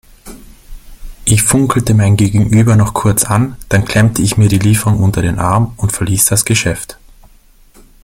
Ich funkelte mein Gegenüber noch kurz an, dann klemmte ich mir die Lieferung unter den Arm und verließ das Geschäft.